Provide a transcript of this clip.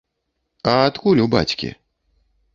А адкуль у бацькі?